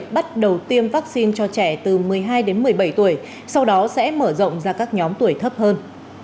bắt đầu tiêm vaccine cho trẻ từ một mươi hai đến một mươi bảy tuổi sau đó sẽ mở rộng ra các nhóm tuổi thấp hơn